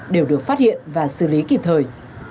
đều được phát hiện và xử lý kịp thời